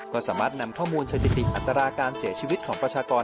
ก็สามารถนำข้อมูลสถิติอัตราการเสียชีวิตของประชากร